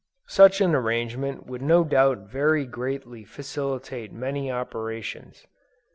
Such an arrangement would no doubt very greatly facilitate many operations.